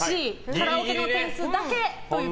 カラオケの点数だけという。